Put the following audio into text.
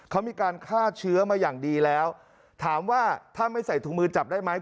เขามีการฆ่าเชื้อมาอย่างดีแล้วถามว่าถ้าไม่ใส่ถุงมือจับได้ไหม